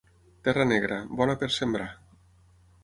Terra negra, bona per sembrar.